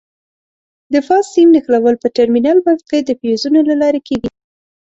د فاز سیم نښلول په ټرمینل بکس کې د فیوزونو له لارې کېږي.